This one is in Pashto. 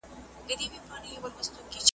تل یې غوښي وي په خولو کي د لېوانو `